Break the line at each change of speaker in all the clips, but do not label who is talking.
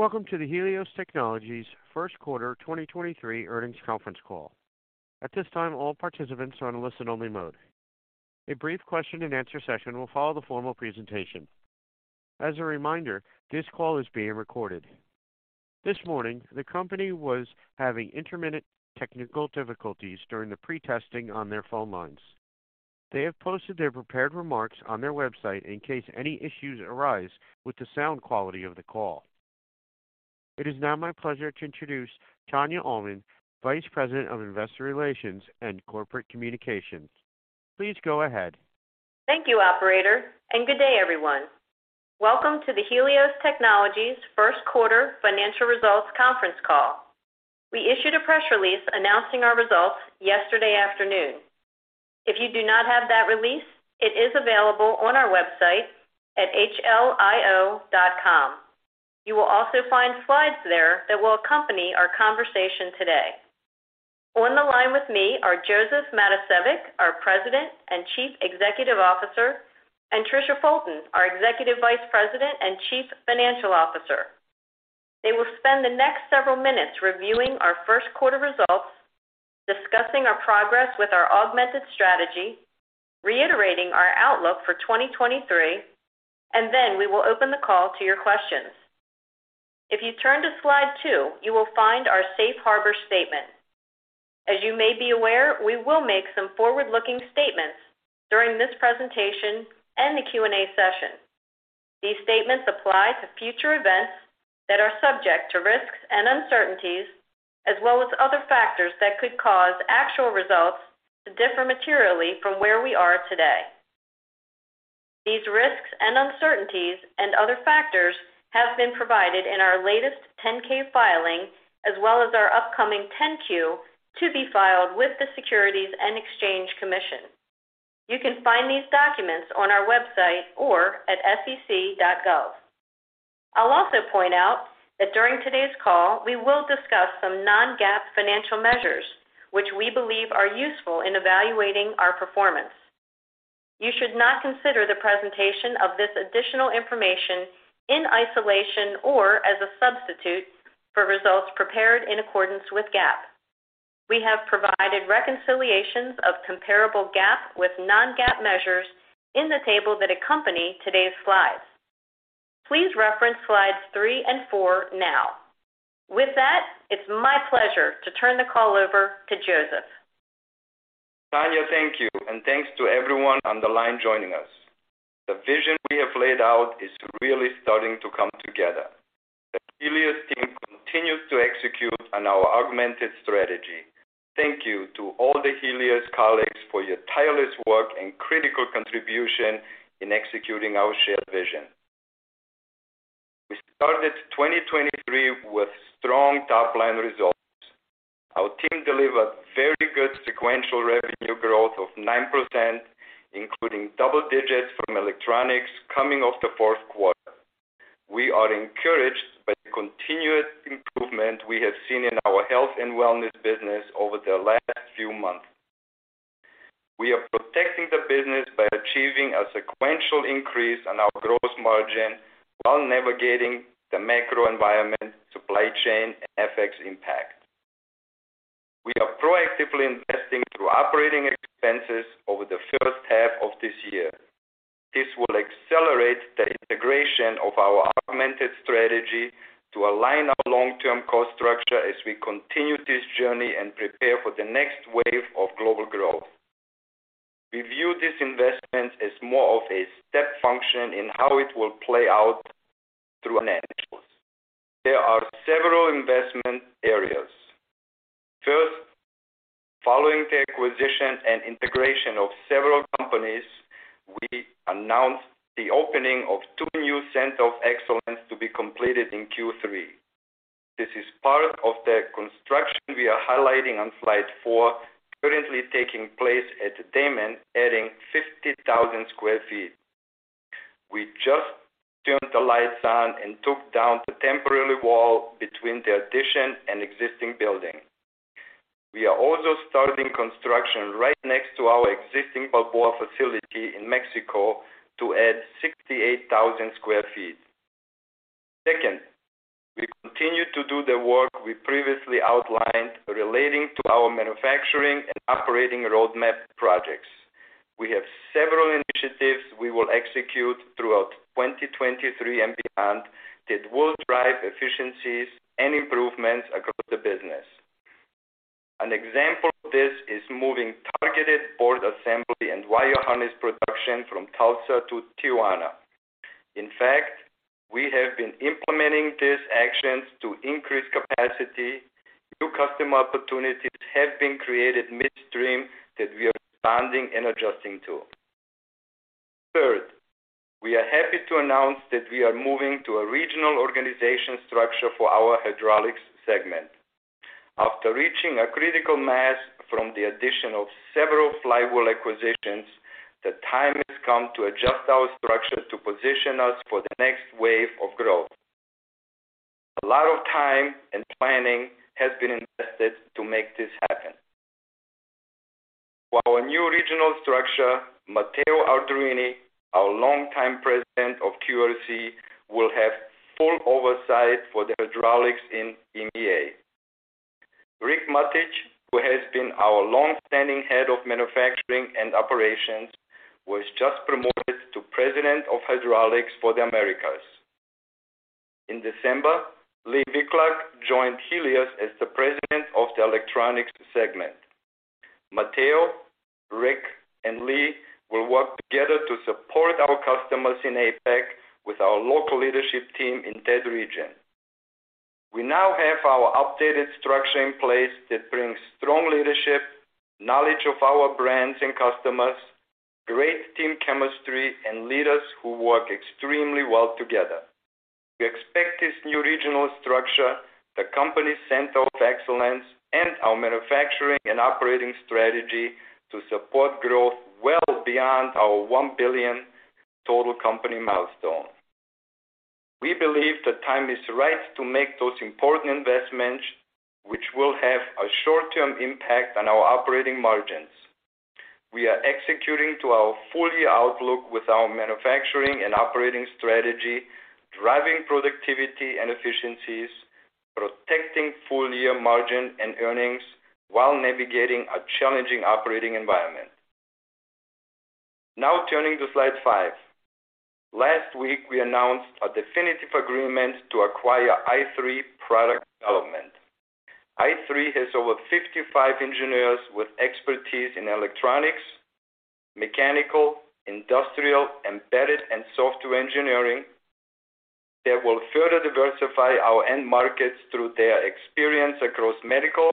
Welcome to the Helios Technologies First Quarter 2023 Earnings Conference Call. At this time, all participants are on a listen-only mode. A brief question-and-answer session will follow the formal presentation. As a reminder, this call is being recorded. This morning, the company was having intermittent technical difficulties during the pre-testing on their phone lines. They have posted their prepared remarks on their website in case any issues arise with the sound quality of the call. It is now my pleasure to introduce Tania Almond, Vice President of Investor Relations and Corporate Communications. Please go ahead.
Thank you, operator, and good day, everyone. Welcome to the Helios Technologies First Quarter Financial Results Conference Call. We issued a press release announcing our results yesterday afternoon. If you do not have that release, it is available on our website at hlio.com. You will also find slides there that will accompany our conversation today. On the line with me are Josef Matosevic, our President and Chief Executive Officer, and Tricia Fulton, our Executive Vice President and Chief Financial Officer. They will spend the next several minutes reviewing our first quarter results, discussing our progress with our Augmented Strategy, reiterating our outlook for 2023, and then we will open the call to your questions. If you turn to slide two, you will find our safe harbor statement. As you may be aware, we will make some forward-looking statements during this presentation and the Q&A session. These statements apply to future events that are subject to risks and uncertainties, as well as other factors that could cause actual results to differ materially from where we are today. These risks and uncertainties and other factors have been provided in our latest 10-K filing as well as our upcoming 10-Q to be filed with the Securities and Exchange Commission. You can find these documents on our website or at sec.gov. I'll also point out that during today's call, we will discuss some non-GAAP financial measures which we believe are useful in evaluating our performance. You should not consider the presentation of this additional information in isolation or as a substitute for results prepared in accordance with GAAP. We have provided reconciliations of comparable GAAP with non-GAAP measures in the table that accompany today's slides. Please reference slides three and four now. With that, it's my pleasure to turn the call over to Josef.
Tania, thank you. Thanks to everyone on the line joining us. The vision we have laid out is really starting to come together. The Helios team continues to execute on our Augmented Strategy. Thank you to all the Helios colleagues for your tireless work and critical contribution in executing our shared vision. We started 2023 with strong top-line results. Our team delivered very good sequential revenue growth of 9%, including double digits from electronics coming off the fourth quarter. We are encouraged by the continued improvement we have seen in our health and wellness business over the last few months. We are protecting the business by achieving a sequential increase on our gross margin while navigating the macro environment, supply chain, and FX impact. We are proactively investing through operating expenses over the first half of this year. This will accelerate the integration of our Augmented Strategy to align our long-term cost structure as we continue this journey and prepare for the next wave of global growth. We view this investment as more of a step function in how it will play out through financials. There are several investment areas. First, following the acquisition and integration of several companies, we announced the opening of two new Centers of Excellence to be completed in Q3. This is part of the construction we are highlighting on slide four currently taking place at Daman, adding 50,000 sq ft. We just turned the lights on and took down the temporary wall between the addition and existing building. We are also starting construction right next to our existing Balboa facility in Mexico to add 68,000 sq ft. Second, we continue to do the work we previously outlined relating to our manufacturing and operating roadmap projects. We have several initiatives we will execute throughout 2023 and beyond that will drive efficiencies and improvements across the business. An example of this is moving targeted board assembly and wire harness production from Tulsa to Tijuana. In fact, we have been implementing these actions to increase capacity. New customer opportunities have been created midstream that we are expanding and adjusting to. Third, we are happy to announce that we are moving to a regional organization structure for our hydraulics segment. After reaching a critical mass from the addition of several flywheel acquisitions, the time has come to adjust our structure to position us for the next wave of growth. A lot of time and planning has been invested to make this happen. While our new regional structure, Matteo Arduini, our longtime President of QRC, will have full oversight for the hydraulics in EMEA. Rick Martich, who has been our long-standing head of manufacturing and operations, was just promoted to President of Hydraulics for the Americas. In December, Lee Wichlacz joined Helios as the President of the Electronics segment. Matteo, Rick, and Lee will work together to support our customers in APAC with our local leadership team in that region. We now have our updated structure in place that brings strong leadership, knowledge of our brands and customers, great team chemistry, and leaders who work extremely well together. We expect this new regional structure, the Centers of Excellence, and our manufacturing and operating strategy to support growth well beyond our 1 billion total company milestone. We believe the time is right to make those important investments which will have a short-term impact on our operating margins. We are executing to our full year outlook with our manufacturing and operating strategy, driving productivity and efficiencies, protecting full year margin and earnings while navigating a challenging operating environment. Now turning to slide five. Last week, we announced a definitive agreement to acquire i3 Product Development. i3 has over 55 engineers with expertise in electronics, mechanical, industrial, embedded, and software engineering that will further diversify our end markets through their experience across medical,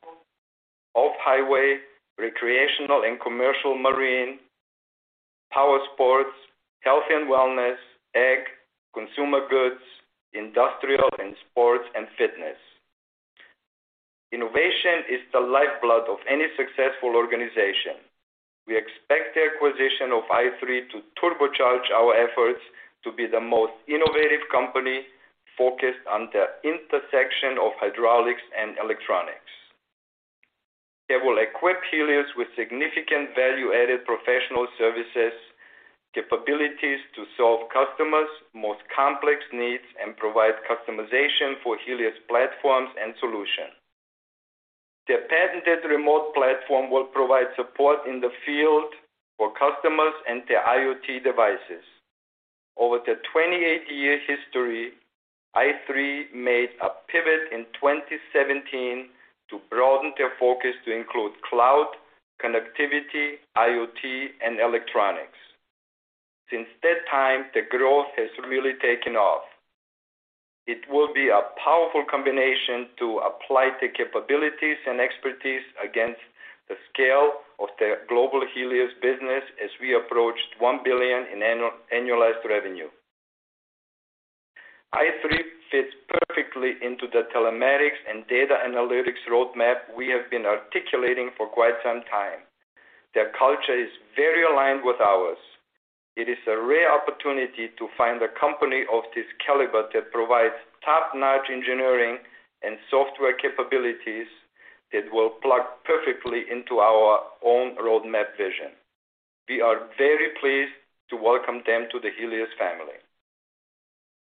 off-highway, recreational and commercial marine, power sports, health and wellness, ag, consumer goods, industrial, and sports and fitness. Innovation is the lifeblood of any successful organization. We expect the acquisition of i3 to turbocharge our efforts to be the most innovative company focused on the intersection of hydraulics and electronics. They will equip Helios with significant value-added professional services capabilities to solve customers' most complex needs and provide customization for Helios platforms and solutions. Their patented remote platform will provide support in the field for customers and their IoT devices. Over their 28-year history, i3 made a pivot in 2017 to broaden their focus to include cloud, connectivity, IoT, and electronics. Since that time, the growth has really taken off. It will be a powerful combination to apply the capabilities and expertise against the scale of the global Helios business as we approach $1 billion in annualized revenue. i3 fits perfectly into the telematics and data analytics roadmap we have been articulating for quite some time. Their culture is very aligned with ours. It is a rare opportunity to find a company of this caliber that provides top-notch engineering and software capabilities that will plug perfectly into our own roadmap vision. We are very pleased to welcome them to the Helios family.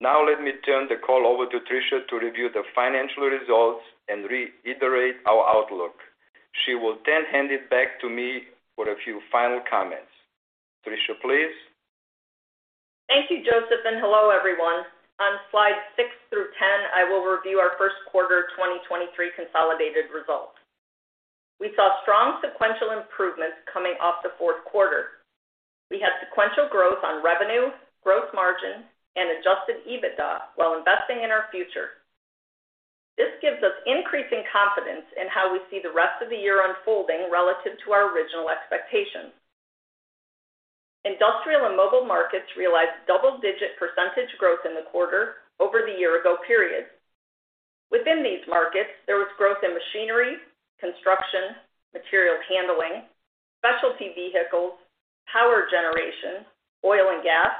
Let me turn the call over to Tricia to review the financial results and reiterate our outlook. She will hand it back to me for a few final comments. Tricia, please.
Thank you, Josef. Hello, everyone. On slides six through 10, I will review our first quarter 2023 consolidated results. We saw strong sequential improvements coming off the fourth quarter. We had sequential growth on revenue, growth margin, and adjusted EBITDA while investing in our future. This gives us increasing confidence in how we see the rest of the year unfolding relative to our original expectations. Industrial and mobile markets realized double-digit percentage growth in the quarter over the year-ago period. Within these markets, there was growth in machinery, construction, material handling, specialty vehicles, power generation, oil and gas,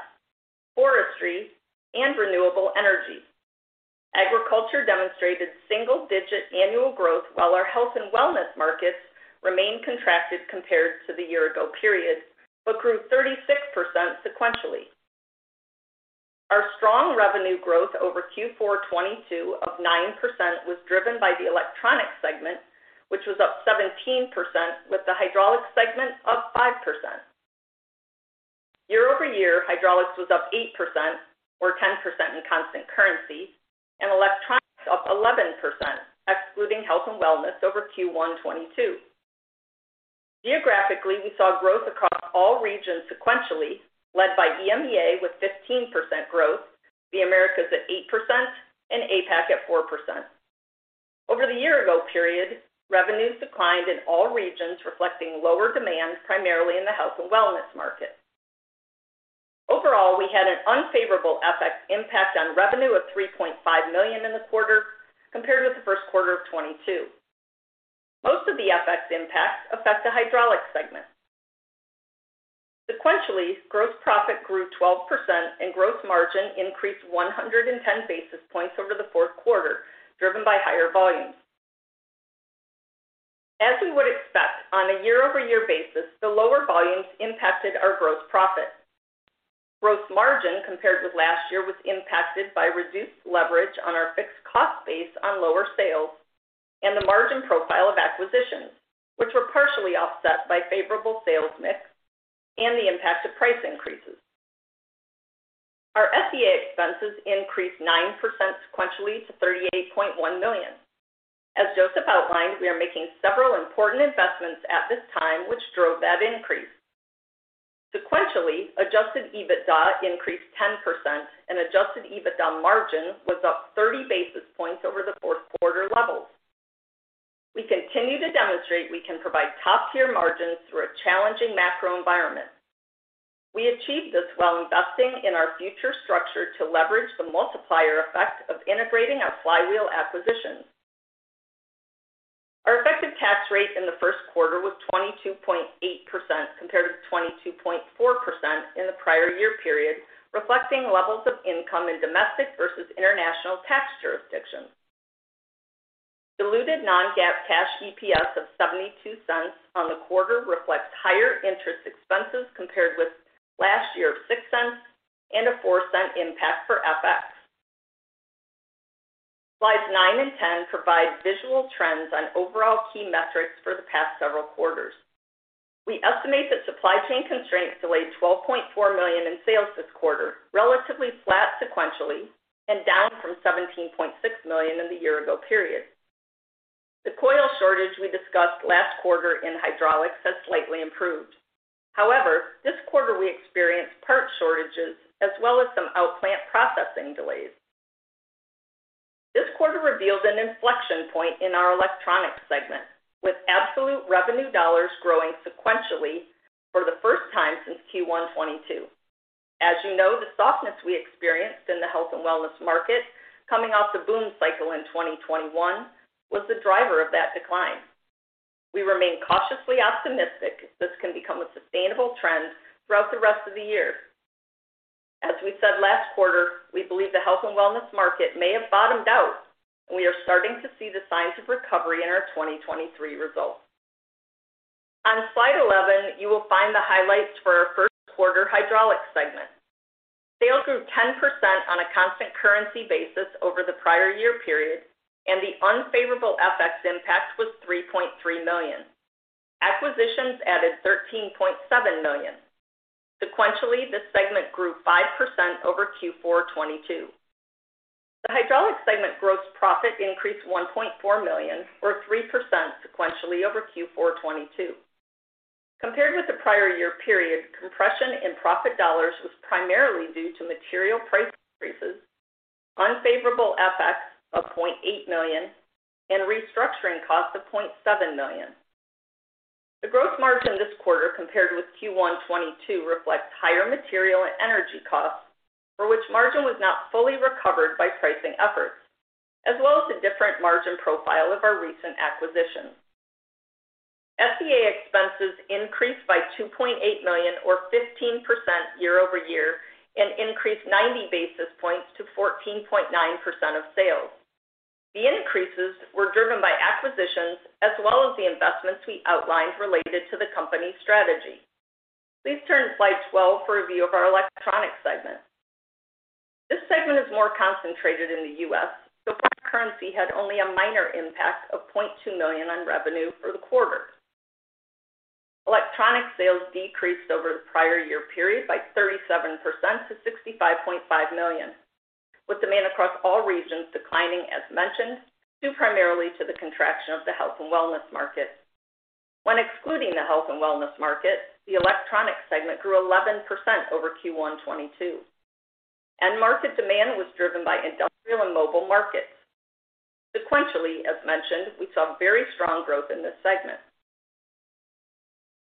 forestry, and renewable energy. Agriculture demonstrated single-digit annual growth while our health and wellness markets remained contracted compared to the year-ago period, but grew 36% sequentially. Our strong revenue growth over Q4 2022 of 9% was driven by the Electronics segment, which was up 17% with the Hydraulics segment up 5%. Year-over-year, Hydraulics was up 8% or 10% in constant currency, and Electronics up 11%, excluding health and wellness over Q1 2022. Geographically, we saw growth across all regions sequentially, led by EMEA with 15% growth, the Americas at 8%, and APAC at 4%. Over the year ago period, revenues declined in all regions, reflecting lower demand primarily in the health and wellness market. Overall, we had an unfavorable FX impact on revenue of $3.5 million in the quarter compared with the first quarter of 2022. Most of the FX impacts affect the hydraulics segment. Sequentially, gross profit grew 12% and gross margin increased 110 basis points over the fourth quarter, driven by higher volumes. We would expect on a year-over-year basis, the lower volumes impacted our gross profit. Gross margin compared with last year was impacted by reduced leverage on our fixed cost base on lower sales and the margin profile of acquisitions, which were partially offset by favorable sales mix and the impact of price increases. Our SG&A expenses expenses increased 9% sequentially to $38.1 million. Josef outlined, we are making several important investments at this time, which drove that increase. Sequentially, adjusted EBITDA increased 10% and adjusted EBITDA margin was up 30 basis points over the fourth quarter levels. We continue to demonstrate we can provide top-tier margins through a challenging macro environment. We achieved this while investing in our future structure to leverage the multiplier effect of integrating our flywheel acquisitions. Our effective tax rate in the first quarter was 22.8% compared with 22.4% in the prior year period, reflecting levels of income in domestic versus international tax jurisdictions. Diluted Non-GAAP Cash EPS of $0.72 on the quarter reflects higher interest expenses compared with last year of $0.06 and a $0.04 impact for FX. Slides 9 and 10 provide visual trends on overall key metrics for the past several quarters. We estimate that supply chain constraints delayed $12.4 million in sales this quarter, relatively flat sequentially and down from $17.6 million in the year ago period. The coil shortage we discussed last quarter in hydraulics has slightly improved. This quarter we experienced part shortages as well as some outplant processing delays. This quarter reveals an inflection point in our Electronics segment, with absolute revenue dollars growing sequentially for the first time since Q1 2022. You know, the softness we experienced in the health and wellness market coming off the boom cycle in 2021 was the driver of that decline. We remain cautiously optimistic this can become a sustainable trend throughout the rest of the year. We said last quarter, we believe the health and wellness market may have bottomed out, and we are starting to see the signs of recovery in our 2023 results. Slide 11, you will find the highlights for our first quarter Hydraulics segment. Sales grew 10% on a constant currency basis over the prior year period, the unfavorable FX impact was $3.3 million. Acquisitions added $13.7 million. Sequentially, the segment grew 5% over Q4 2022. The hydraulics segment gross profit increased $1.4 million, or 3% sequentially over Q4 2022. Compared with the prior year period, compression in profit dollars was primarily due to material price increases, unfavorable FX of $0.8 million, and restructuring costs of $0.7 million. The gross margin this quarter compared with Q1 2022 reflects higher material and energy costs, for which margin was not fully recovered by pricing efforts, as well as the different margin profile of our recent acquisitions. SG&A expenses increased by $2.8 million or 15% year-over-year and increased 90 basis points to 14.9% of sales. The increases were driven by acquisitions as well as the investments we outlined related to the company's strategy. Please turn to slide 12 for a view of our electronics segment. This segment is more concentrated in the US, foreign currency had only a minor impact of $0.2 million on revenue for the quarter. Electronics sales decreased over the prior year period by 37% to $65.5 million, with demand across all regions declining as mentioned, due primarily to the contraction of the health and wellness market. When excluding the health and wellness market, the electronics segment grew 11% over Q1 2022. End market demand was driven by industrial and mobile markets. Sequentially, as mentioned, we saw very strong growth in this segment.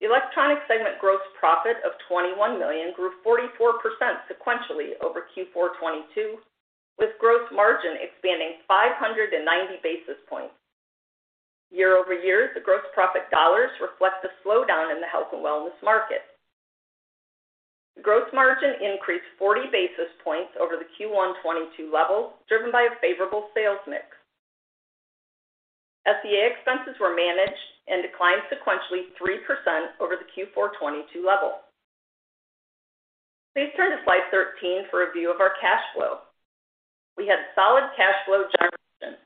The electronics segment gross profit of $21 million grew 44% sequentially over Q4 2022, with gross margin expanding 590 basis points. Year-over-year, the gross profit dollars reflect the slowdown in the health and wellness market. The gross margin increased 40 basis points over the Q1 2022 level, driven by a favorable sales mix. SG&A expenses were managed and declined sequentially 3% over the Q4 2022 level. Please turn to slide 13 for a view of our cash flow. We had solid cash flow generation.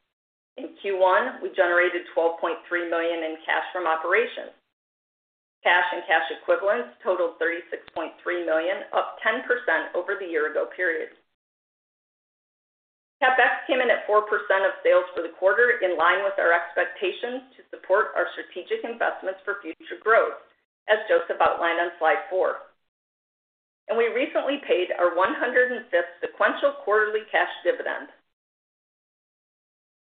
In Q1, we generated $12.3 million in cash from operations. Cash and cash equivalents totaled $36.3 million, up 10% over the year ago period. CapEx came in at 4% of sales for the quarter, in line with our expectations to support our strategic investments for future growth, as Josef outlined on slide 4. We recently paid our 105th sequential quarterly cash dividend.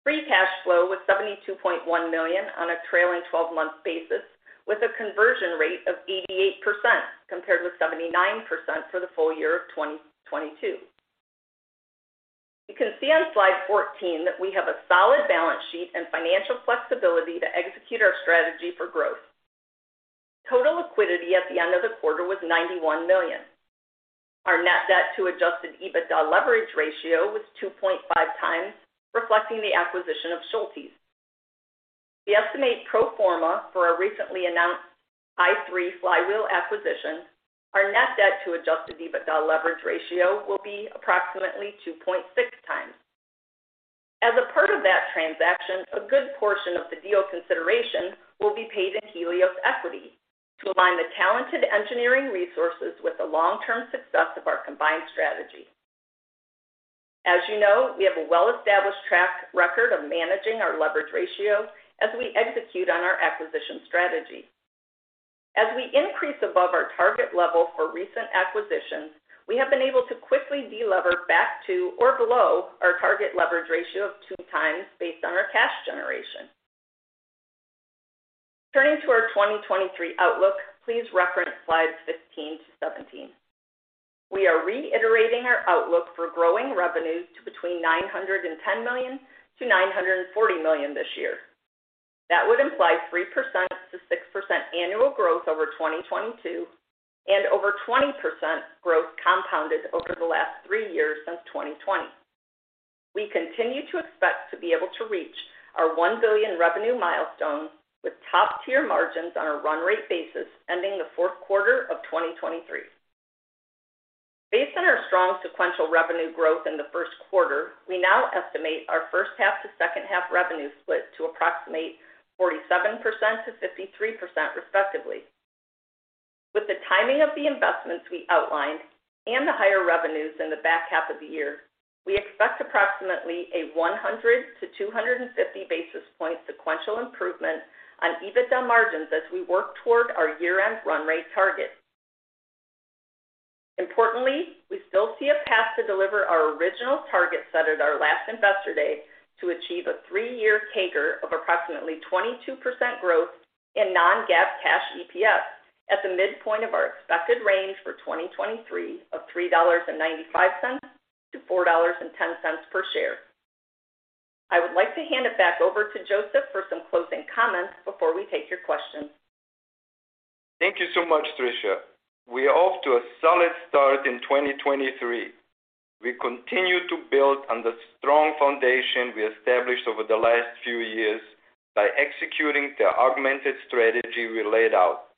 Free cash flow was $72.1 million on a trailing 12-month basis, with a conversion rate of 88% compared with 79% for the full year of 2022. You can see on slide 14 that we have a solid balance sheet and financial flexibility to execute our strategy for growth. Total liquidity at the end of the quarter was $91 million. Our net debt to adjusted EBITDA leverage ratio was 2.5 times, reflecting the acquisition of Schultes. We estimate pro forma for our recently announced i3 flywheel acquisition. Our net debt to adjusted EBITDA leverage ratio will be approximately 2.6 times. As a part of that transaction, a good portion of the deal consideration will be paid in Helios equity to align the talented engineering resources with the long-term success of our combined strategy. As you know, we have a well-established track record of managing our leverage ratio as we execute on our acquisition strategy. As we increase above our target level for recent acquisitions, we have been able to quickly de-lever back to or below our target leverage ratio of 2x based on our cash generation. Turning to our 2023 outlook, please reference slides 15 to 17. We are reiterating our outlook for growing revenues to between $910 million-$940 million this year. That would imply 3%-6% annual growth over 2022 and over 20% growth compounded over the last three years since 2020. We continue to expect to be able to reach our $1 billion revenue milestone with top-tier margins on a run rate basis ending the fourth quarter of 2023. Based on our strong sequential revenue growth in the first quarter, we now estimate our first half to second half revenue split to approximate 47%-53% respectively. With the timing of the investments we outlined and the higher revenues in the back half of the year, we expect approximately a 100 to 250 basis point sequential improvement on EBITDA margins as we work toward our year-end run rate targets. Importantly, we still see a path to deliver our original target set at our last Investor Day to achieve a three-year CAGR of approximately 22% growth in non-GAAP Cash EPS at the midpoint of our expected range for 2023 of $3.95-$4.10 per share. I would like to hand it back over to Josef for some closing comments before we take your questions.
Thank you so much, Tricia. We are off to a solid start in 2023. We continue to build on the strong foundation we established over the last few years by executing the Augmented Strategy we laid out.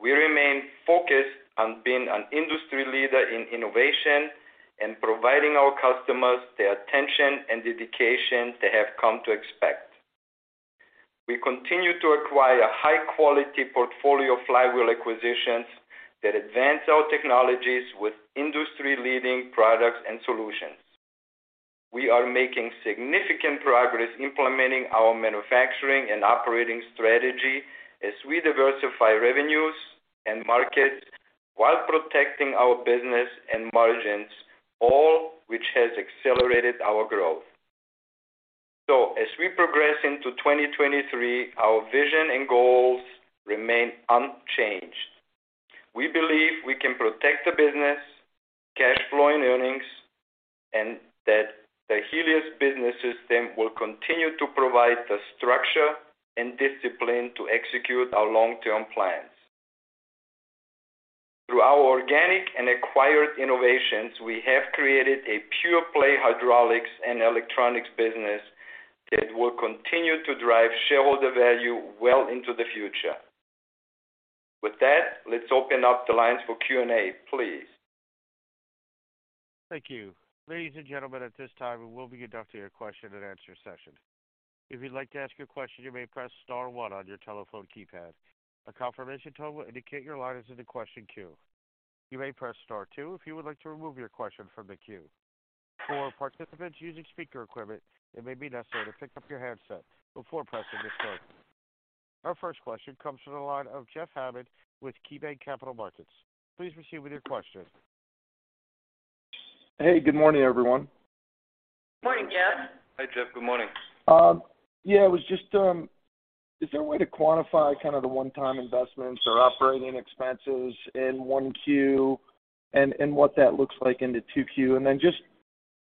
We remain focused on being an industry leader in innovation and providing our customers the attention and dedication they have come to expect. We continue to acquire a high-quality portfolio of flywheel acquisitions that advance our technologies with industry-leading products and solutions. We are making significant progress implementing our manufacturing and operating strategy as we diversify revenues and markets while protecting our business and margins, all which has accelerated our growth. As we progress into 2023, our vision and goals remain unchanged. We believe we can protect the business, cash flow, and earnings, and that the Helios Business System will continue to provide the structure and discipline to execute our long-term plans. Through our organic and acquired innovations, we have created a pure-play hydraulics and electronics business that will continue to drive shareholder value well into the future. With that, let's open up the lines for Q&A, please.
Thank you. Ladies and gentlemen, at this time, we will be conducting a question and answer session. If you'd like to ask a question, you may press star one on your telephone keypad. A confirmation tone will indicate your line is in the question queue. You may press star two if you would like to remove your question from the queue. For participants using speaker equipment, it may be necessary to pick up your handset before pressing the star. Our first question comes from the line of Jeff Hammond with KeyBanc Capital Markets. Please proceed with your question.
Hey, good morning, everyone.
Morning, Jeff.
Hi, Jeff. Good morning.
Yeah, I was just, Is there a way to quantify kind of the one-time investments or operating expenses in 1Q and what that looks like into 2Q? Just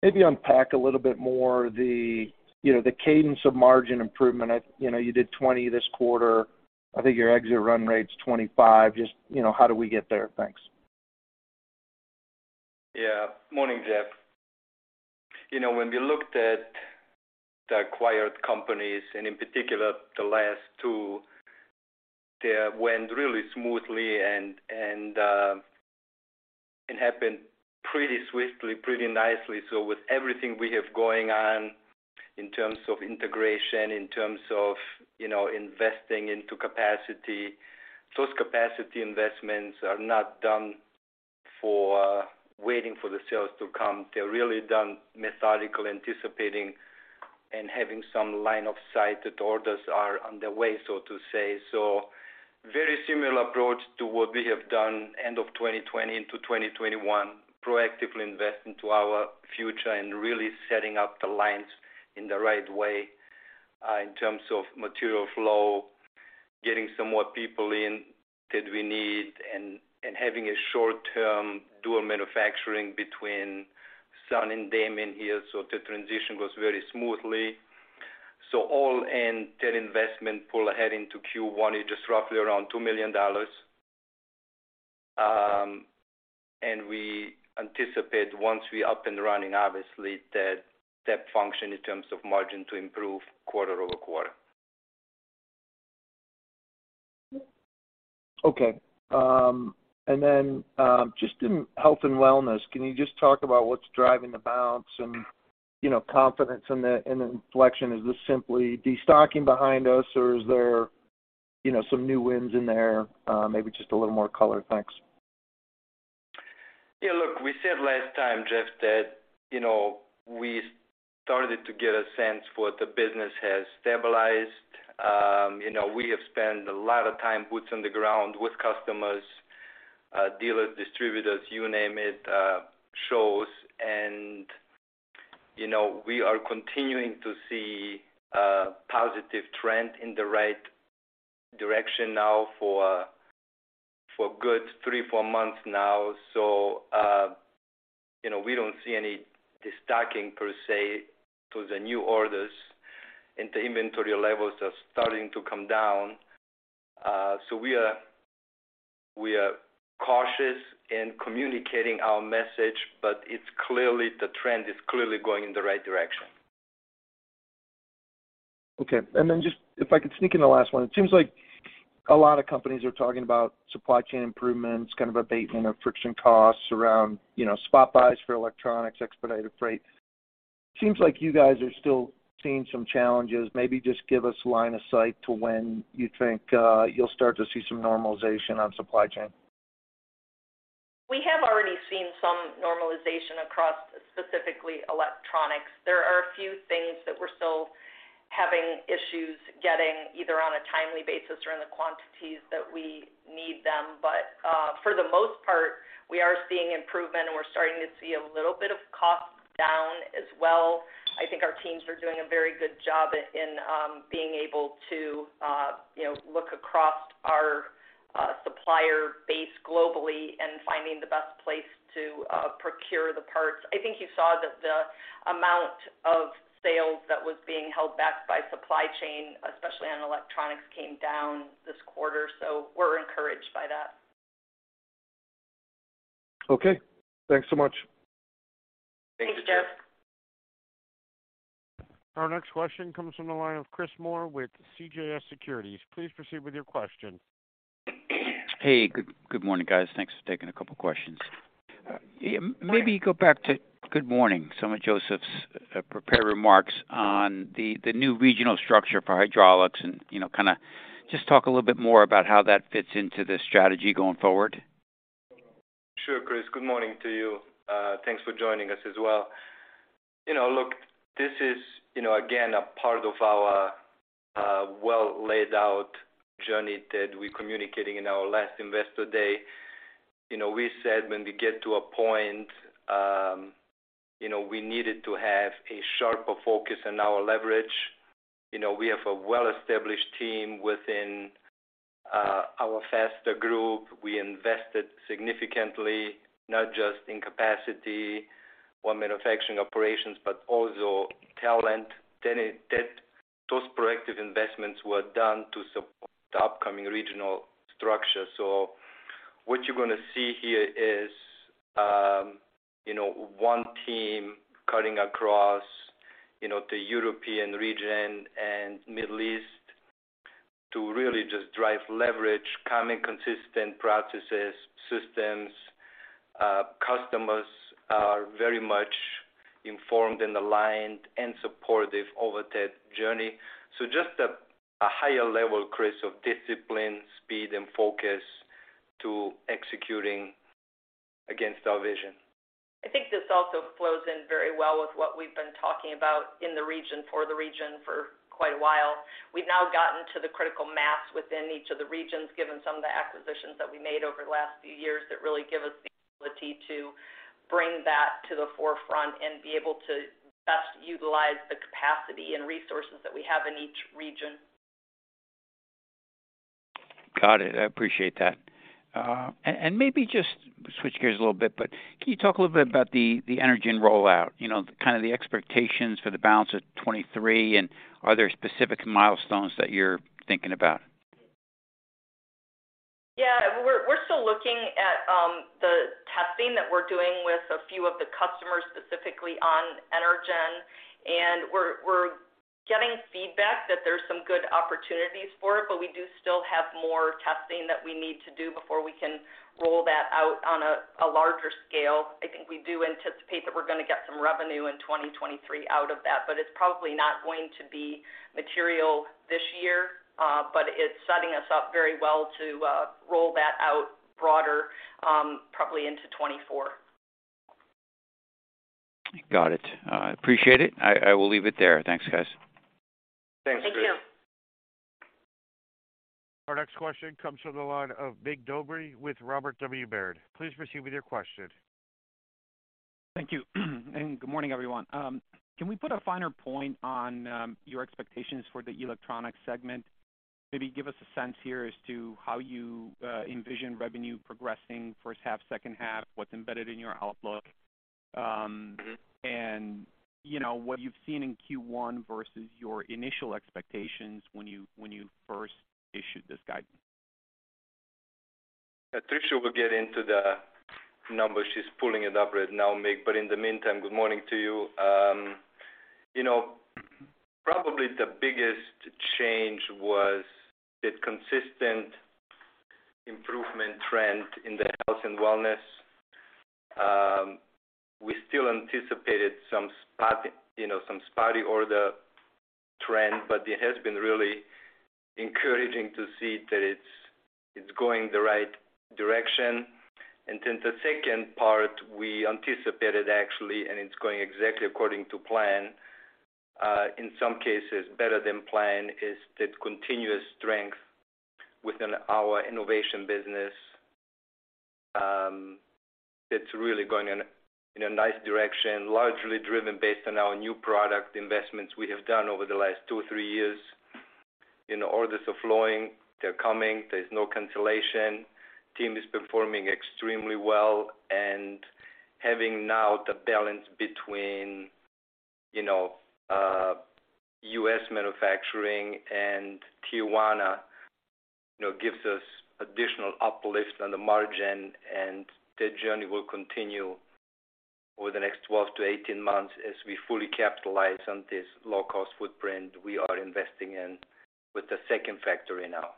maybe unpack a little bit more the, you know, the cadence of margin improvement. You know, you did 20% this quarter. I think your exit run rate's 25%. Just, you know, how do we get there? Thanks.
Morning, Jeff. You know, when we looked at the acquired companies, in particular the last two, they went really smoothly and happened pretty swiftly, pretty nicely. With everything we have going on in terms of integration, in terms of, you know, investing into capacity, those capacity investments are not done for waiting for the sales to come. They're really done methodical, anticipating, and having some line of sight that orders are on the way, so to say. Very similar approach to what we have done end of 2020 into 2021, proactively invest into our future and really setting up the lines in the right way, in terms of material flow. Getting some more people in that we need and having a short-term dual manufacturing between Sun and Daman here so the transition goes very smoothly. All in that investment pull ahead into Q1 is just roughly around $2 million. We anticipate once we up and running, obviously that that function in terms of margin to improve quarter-over-quarter.
Just in health and wellness, can you just talk about what's driving the bounce and, you know, confidence in the, in the inflection? Is this simply destocking behind us or is there, you know, some new wins in there? Maybe just a little more color. Thanks.
Look, we said last time, Jeff, that, you know, we started to get a sense for the business has stabilized. You know, we have spent a lot of time boots on the ground with customers, dealers, distributors, you name it, shows. You know, we are continuing to see a positive trend in the right direction now for a, for a good three, four months now. You know, we don't see any destocking per se to the new orders, and the inventory levels are starting to come down. We are, we are cautious in communicating our message, but it's clearly the trend is clearly going in the right direction.
Okay. Just if I could sneak in the last one. It seems like a lot of companies are talking about supply chain improvements, kind of abatement of friction costs around, you know, spot buys for electronics, expedited freight. Seems like you guys are still seeing some challenges. Maybe just give us line of sight to when you think you'll start to see some normalization on supply chain.
We have already seen some normalization across specifically electronics. There are a few things that we're still having issues getting, either on a timely basis or in the quantities that we need them. For the most part, we are seeing improvement, and we're starting to see a little bit of cost down as well. I think our teams are doing a very good job in being able to, you know, look across our supplier base globally and finding the best place to procure the parts. I think you saw that the amount of sales that was being held back by supply chain, especially on electronics, came down this quarter. We're encouraged by that.
Okay. Thanks so much.
Thanks, Jeff.
Thanks, Jeff.
Our next question comes from the line of Chris Moore with CJS Securities. Please proceed with your question.
Hey, good morning, guys. Thanks for taking a couple questions. Maybe go back to good morning, Josef's prepared remarks on the new regional structure for Hydraulics and, you know, kinda just talk a little bit more about how that fits into the strategy going forward.
Sure, Chris. Good morning to you. Thanks for joining us as well. You know, look, this is, you know, again, a part of our, well laid out journey that we're communicating in our last Investor Day. You know, we said when we get to a point, you know, we needed to have a sharper focus on our leverage. You know, we have a well-established team within our Faster group. We invested significantly, not just in capacity or manufacturing operations, but also talent. Those proactive investments were done to support the upcoming regional structure. What you're gonna see here is, you know, one team cutting across, you know, the European region and Middle East to really just drive leverage, common, consistent processes, systems. Customers are very much informed and aligned and supportive over that journey. Just a higher level, Chris, of discipline, speed, and focus to executing against our vision.
I think this also flows in very well with what we've been talking about in the region for quite a while. We've now gotten to the critical mass within each of the regions, given some of the acquisitions that we made over the last few years that really give us the ability to bring that to the forefront and be able to best utilize the capacity and resources that we have in each region.
Got it. I appreciate that. Maybe just switch gears a little bit, but can you talk a little bit about the ENERGEN™ rollout? You know, kind of the expectations for the balance of 2023 and are there specific milestones that you're thinking about?
We're still looking at the testing that we're doing with a few of the customers, specifically on ENERGEN, and we're getting feedback that there's some good opportunities for it, but we do still have more testing that we need to do before we can roll that out on a larger scale. I think we do anticipate that we're gonna get some revenue in 2023 out of that, but it's probably not going to be material this year, but it's setting us up very well to roll that out broader, probably into 2024.
Got it. appreciate it. I will leave it there. Thanks, guys.
Thanks, Chris.
Thank you.
Our next question comes from the line of Mircea Dobre with Robert W. Baird. Please proceed with your question.
Thank you. Good morning, everyone. Can we put a finer point on your expectations for the Electronics Segment? Maybe give us a sense here as to how you envision revenue progressing first half, second half, what's embedded in your outlook, and you know, what you've seen in Q1 versus your initial expectations when you, when you first issued this guidance.
Tricia will get into the numbers. She's pulling it up right now, Mig. In the meantime, good morning to you. You know, probably the biggest change was the consistent improvement trend in the health and wellness. We still anticipated some spotty order trend. It has been really encouraging to see that it's going the right direction. The second part we anticipated actually. It's going exactly according to plan, in some cases better than plan, is the continuous strength within our innovation business. It's really going in a nice direction, largely driven based on our new product investments we have done over the last two, three years. You know, orders are flowing, they're coming, there's no cancellation. Team is performing extremely well. Having now the balance between, you know, U.S. manufacturing and Tijuana, you know, gives us additional uplift on the margin, and that journey will continue over the next 12-18 months as we fully capitalize on this low-cost footprint we are investing in with the second factory now.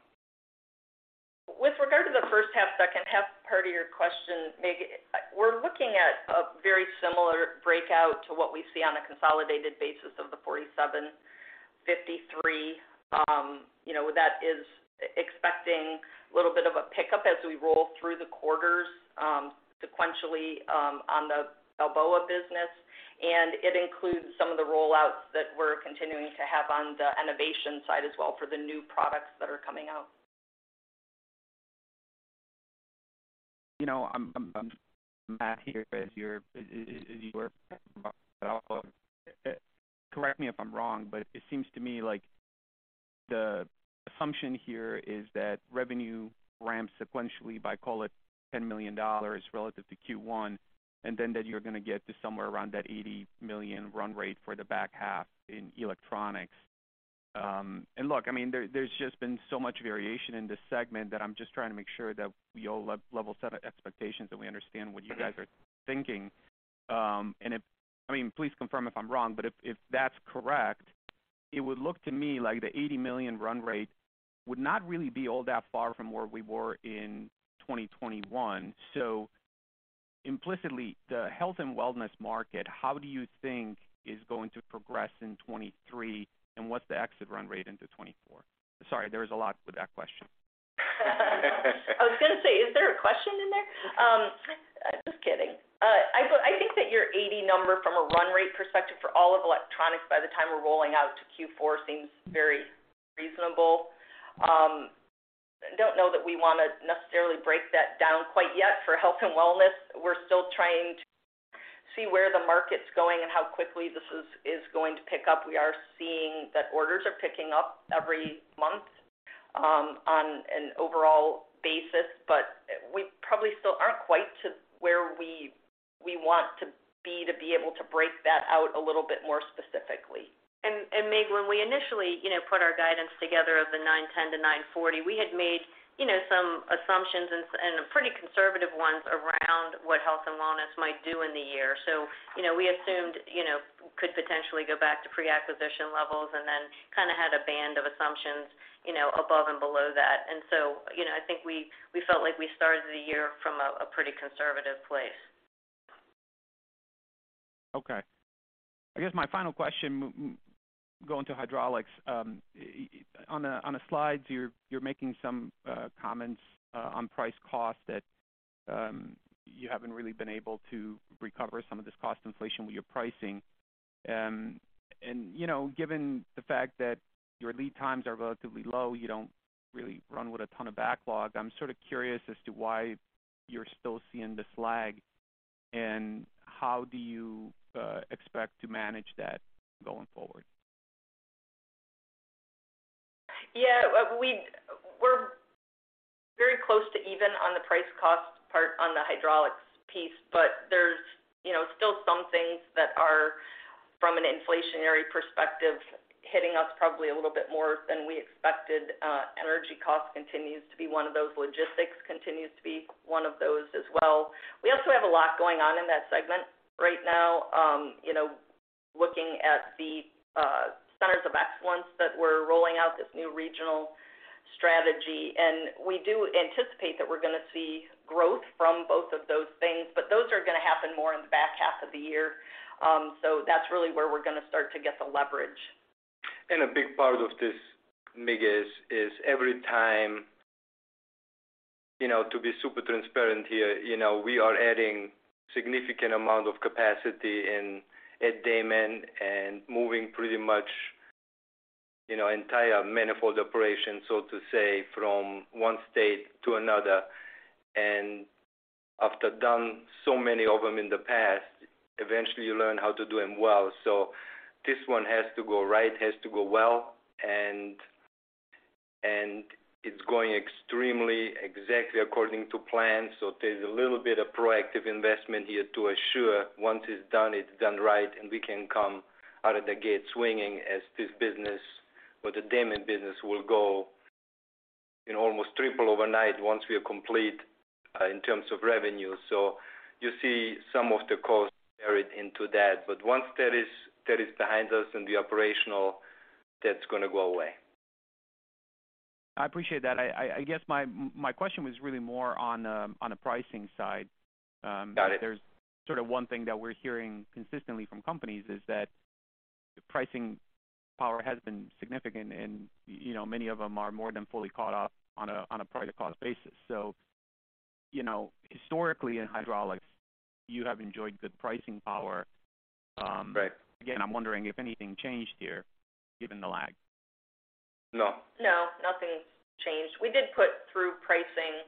With regard to the first half, second half part of your question, Mig, we're looking at a very similar breakout to what we see on a consolidated basis of the 47% 53%, you know, that is expecting a little bit of a pickup as we roll through the quarters, sequentially, on the Balboa business. It includes some of the rollouts that we're continuing to have on the innovation side as well for the new products that are coming out.
You know, I'm back here as you were. Correct me if I'm wrong, but it seems to me like the assumption here is that revenue ramps sequentially by, call it $10 million relative to Q1, and then that you're gonna get to somewhere around that $80 million run rate for the back half in electronics. Look, I mean, there's just been so much variation in this segment that I'm just trying to make sure that we all level set expectations and we understand what you guys are thinking. If I mean, please confirm if I'm wrong, but if that's correct, it would look to me like the $80 million run rate would not really be all that far from where we were in 2021. Implicitly, the health and wellness market, how do you think is going to progress in 2023? What's the exit run rate into 2024? Sorry, there was a lot to that question.
I was gonna say, is there a question in there? Just kidding. I think that your $80 million number from a run rate perspective for all of electronics by the time we're rolling out to Q4 seems very reasonable. Don't know that we wanna necessarily break that down quite yet for health and wellness. We're still trying to see where the market's going and how quickly this is going to pick up. We are seeing that orders are picking up every month on an overall basis, but we probably still aren't quite to where we want to be to be able to break that out a little bit more specifically.
Mig, when we initially, you know, put our guidance together of the $910 million-$940 million, we had made, you know, some assumptions and pretty conservative ones around what health and wellness might do in the year. You know, we assumed, you know, could potentially go back to pre-acquisition levels and then kinda had a band of assumptions, you know, above and below that. You know, I think we felt like we started the year from a pretty conservative place.
Okay. I guess my final question going to Hydraulics. On the, on the slides, you're making some comments on price cost that you haven't really been able to recover some of this cost inflation with your pricing. You know, given the fact that your lead times are relatively low, you don't really run with a ton of backlog. I'm sort of curious as to why you're still seeing this lag, and how do you expect to manage that going forward?
We're very close to even on the price cost part on the Hydraulics piece, but there's, you know, still some things that are, from an inflationary perspective, hitting us probably a little bit more than we expected. Energy cost continues to be one of those. Logistics continues to be one of those as well. We also have a lot going on in that segment right now, you know, looking at the Centers of Excellence that we're rolling out this new regional strategy. We do anticipate that we're gonna see growth from both of those things, but those are gonna happen more in the back half of the year. That's really where we're gonna start to get the leverage.
A big part of this, Mig, is every time, you know, to be super transparent here, you know, we are adding significant amount of capacity at Daman and moving pretty much you know, entire manifold operation, so to say, from one state to another. After done so many of them in the past, eventually you learn how to do them well. This one has to go right, has to go well, and it's going extremely exactly according to plan. There's a little bit of proactive investment here to assure once it's done, it's done right, and we can come out of the gate swinging as this business or the Daman business will go, you know, almost triple overnight once we are complete in terms of revenue. You see some of the costs buried into that. Once that is behind us in the operational, that's going to go away.
I appreciate that. I guess my question was really more on the pricing side.
Got it.
There's sort of one thing that we're hearing consistently from companies is that the pricing power has been significant and, you know, many of them are more than fully caught up on a, on a price to cost basis. You know, historically in hydraulics, you have enjoyed good pricing power.
Right.
Again, I'm wondering if anything changed here given the lag.
No.
No, nothing's changed. We did put through pricing,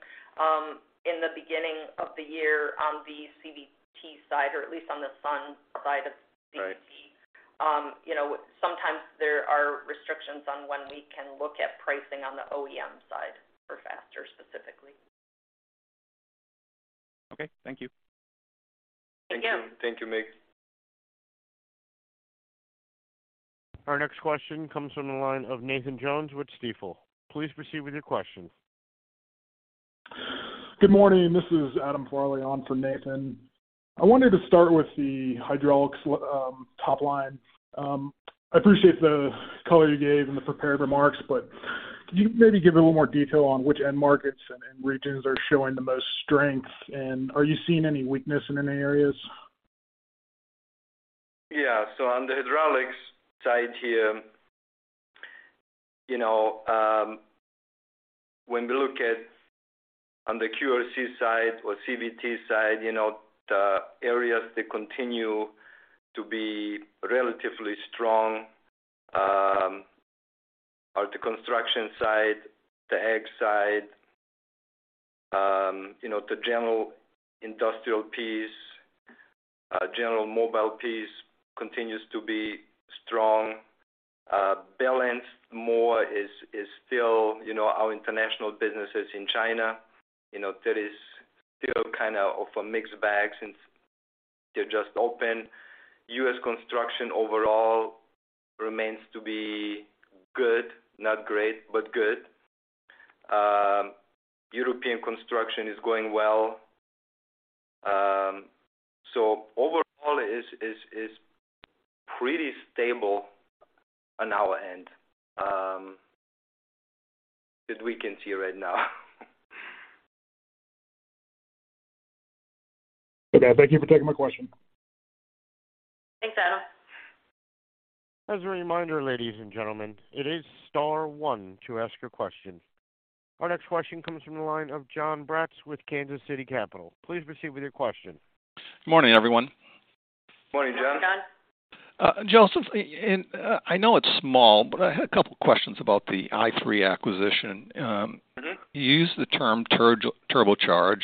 in the beginning of the year on the CVT side or at least on the Sun side of CVT.
Right.
you know, sometimes there are restrictions on when we can look at pricing on the OEM side for Faster specifically.
Okay. Thank you.
Thank you.
Thank you, Mig.
Our next question comes from the line of Nathan Jones with Stifel. Please proceed with your question.
Good morning. This is Adam Farley on for Nathan. I wanted to start with the hydraulics top line. I appreciate the color you gave in the prepared remarks, can you maybe give a little more detail on which end markets and regions are showing the most strength? Are you seeing any weakness in any areas?
Yeah. On the Hydraulics side here, you know, when we look at on the QRC side or CVT side, you know, the areas that continue to be relatively strong are the construction side, the ag side. You know, the general industrial piece, general mobile piece continues to be strong. Balanced more is still, you know, our international businesses in China. You know, that is still kind of a mixed bag since they just opened. U.S. construction overall remains to be good. Not great, but good. European construction is going well. Overall is pretty stable on our end, that we can see right now.
Okay. Thank you for taking my question.
Thanks, Adam.
As a reminder, ladies and gentlemen, it is star one to ask your questions. Our next question comes from the line of Jon Braatz with Kansas City Capital Associates. Please proceed with your question.
Morning, everyone.
Morning, Jon.
Morning, Jon.
Josef, I know it's small, but I had a couple of questions about the i3 acquisition.
Mm-hmm.
You used the term turbocharge,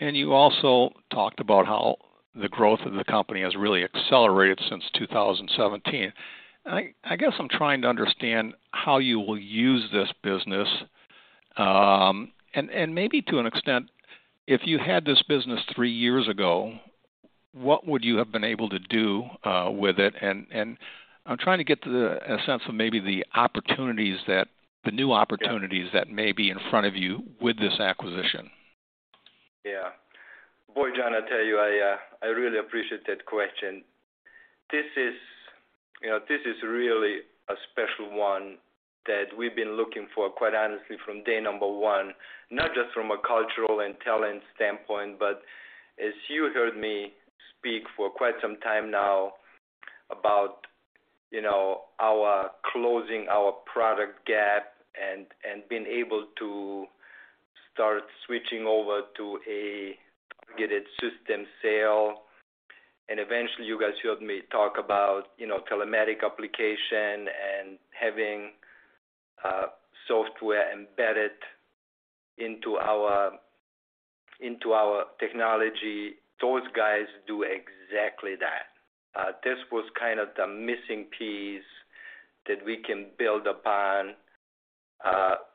and you also talked about how the growth of the company has really accelerated since 2017. I guess I'm trying to understand how you will use this business. Maybe to an extent, if you had this business three years ago, what would you have been able to do with it? I'm trying to get to a sense of maybe the opportunities that, the new opportunities that may be in front of you with this acquisition.
Yeah. Boy, Jon, I tell you, I really appreciate that question. This is, you know, this is really a special one that we've been looking for, quite honestly, from day number one, not just from a cultural and talent standpoint, but as you heard me speak for quite some time now about, you know, our closing our product gap and being able to start switching over to a targeted system sale. Eventually you guys heard me talk about, you know, telematic application and having software embedded into our, into our technology. Those guys do exactly that. This was kind of the missing piece that we can build upon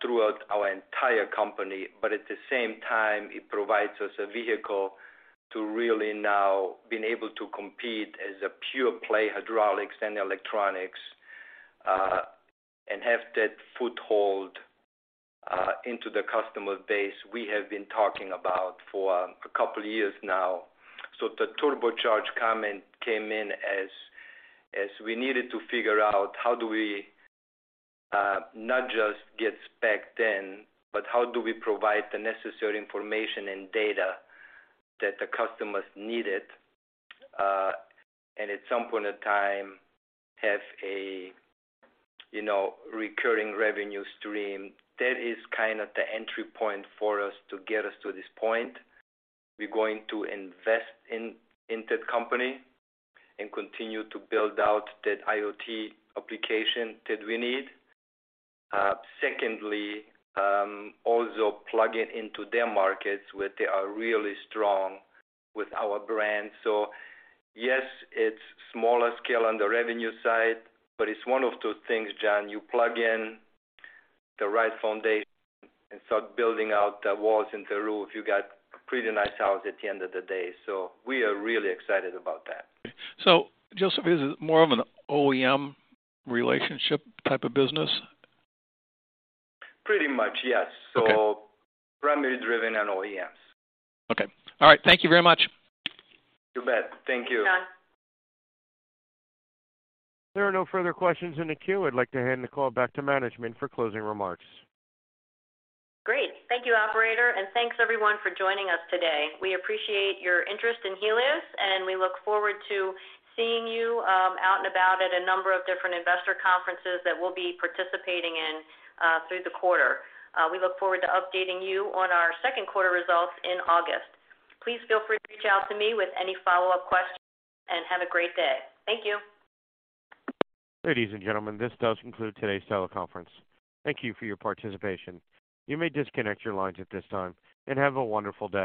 throughout our entire company. At the same time, it provides us a vehicle to really now being able to compete as a pure play hydraulics and electronics, and have that foothold into the customer base we have been talking about for a couple of years now. The turbocharge comment came in as we needed to figure out how do we not just get spec'd in, but how do we provide the necessary information and data that the customers needed, and at some point in time have a, you know, recurring revenue stream. That is kind of the entry point for us to get us to this point. We're going to invest in that company and continue to build out that IoT application that we need. Secondly, also plug it into their markets where they are really strong with our brand. Yes, it's smaller scale on the revenue side, but it's one of those things, Jon, you plug in the right foundation and start building out the walls and the roof. You got a pretty nice house at the end of the day. We are really excited about that.
Josef, is it more of an OEM relationship type of business?
Pretty much, yes.
Okay.
Primarily driven on OEMs.
Okay. All right. Thank you very much.
You bet. Thank you.
John.
There are no further questions in the queue. I'd like to hand the call back to management for closing remarks.
Great. Thank you, operator. Thanks everyone for joining us today. We appreciate your interest in Helios, and we look forward to seeing you, out and about at a number of different investor conferences that we'll be participating in, through the quarter. We look forward to updating you on our second quarter results in August. Please feel free to reach out to me with any follow-up questions, and have a great day. Thank you.
Ladies and gentlemen, this does conclude today's teleconference. Thank you for your participation. You may disconnect your lines at this time, and have a wonderful day.